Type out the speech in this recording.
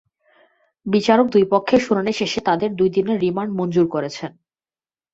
বিচারক দুই পক্ষের শুনানি শেষে তাঁদের দুই দিনের রিমান্ড মঞ্জুর করেছেন।